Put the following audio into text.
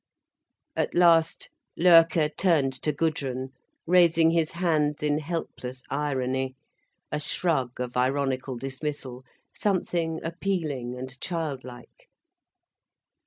At last Loerke turned to Gudrun, raising his hands in helpless irony, a shrug of ironical dismissal, something appealing and child like.